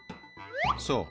そう。